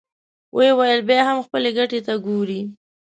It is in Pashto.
ويې ويل: بيا هم خپلې ګټې ته ګورې!